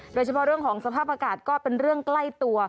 โดยเฉพาะเรื่องของสภาพอากาศก็เป็นเรื่องใกล้ตัว